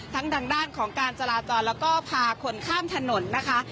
ทางด้านของการจราจรแล้วก็พาคนข้ามถนนนะคะ